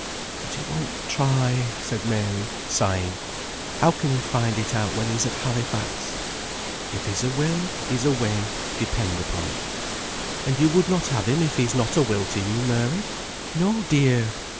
"But he won't try," said Mary, sighing. "How can he find it out when he's at Halifax?" "If he's a will he's a way, depend upon it. And you would not have him if he's not a will to you, Mary! No, dear!"